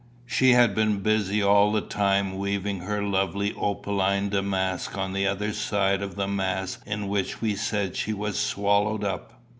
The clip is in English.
She had been busy all the time weaving her lovely opaline damask on the other side of the mass in which we said she was swallowed up.